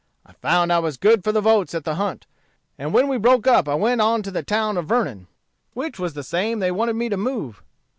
I found I was good for the votes at the hunt; and when we broke up I went on to the town of Vernon, which was the same they wanted me to move.